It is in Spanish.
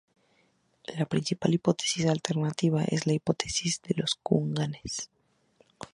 La principal hipótesis alternativa es la hipótesis de los kurganes.